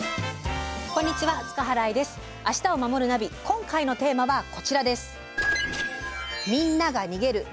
今回のテーマはこちらです。